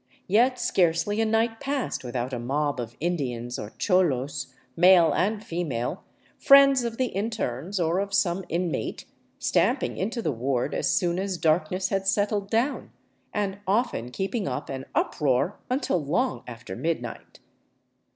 Yet scarcely a night passed without a mob of Indians or cholos, male and female, friends of the internes or of some inmate, stamping into the ward as soon as darkness had settled down, and often keeping up an uproar until long after midnight.